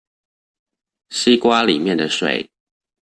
西瓜裡面的水